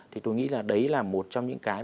thì tôi nghĩ là đấy là một trong những cái